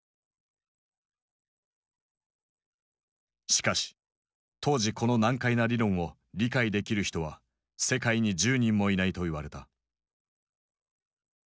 しかし当時この難解な理論を理解できる人は世界に１０人もいないと言われた。